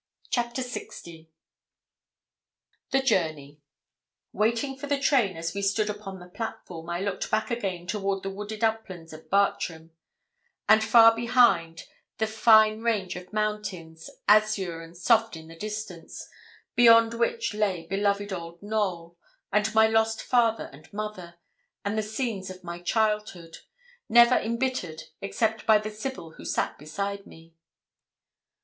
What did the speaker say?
CHAPTER LX THE JOURNEY Waiting for the train, as we stood upon the platform, I looked back again toward the wooded uplands of Bartram; and far behind, the fine range of mountains, azure and soft in the distance, beyond which lay beloved old Knowl, and my lost father and mother, and the scenes of my childhood, never embittered except by the sibyl who sat beside me.